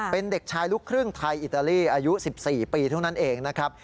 เป็นเด็กชายลูกครึ่งไทยอิตาลีอายุ๑๔ปีเท่านั้นเองนะครับ